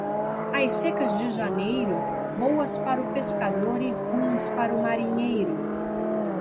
As secas de janeiro, boas para o pescador e ruins para o marinheiro.